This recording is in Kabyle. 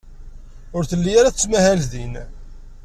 Ur telli ara tettmahal din.